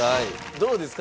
どうですか？